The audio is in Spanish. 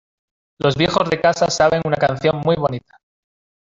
Los viejos de casa saben una canción muy bonita.